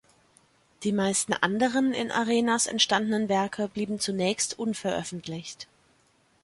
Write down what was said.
Die meisten anderen in Arenas entstandenen Werke blieben zunächst unveröffentlicht.